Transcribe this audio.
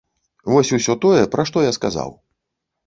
Вось усё тое, пра што я сказаў.